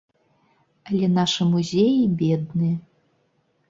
Але нашы музеі бедныя.